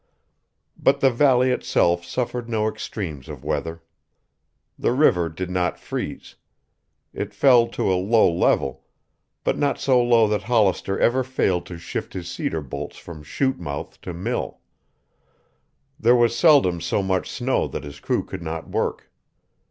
But the valley itself suffered no extremes of weather. The river did not freeze. It fell to a low level, but not so low that Hollister ever failed to shift his cedar bolts from chute mouth to mill. There was seldom so much snow that his crew could not work.